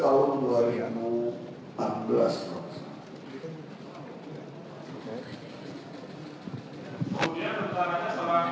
kemudian pertanyaannya sama pulau berapa di atas tanah yang sudah selesai direklamasi